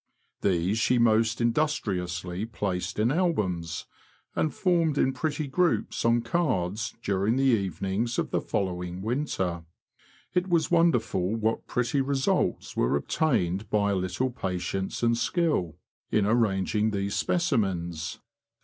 These she most industriously placed in albums, and formed in pretty groups on cards during the evenings of the following winter. It was wonderful what pretty results were obtained by a little patience and skill in White Water Lily. arranging these specimens.